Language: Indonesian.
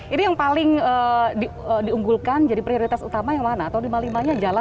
ini yang paling diunggulkan jadi prioritas utama yang mana atau lima limanya jalan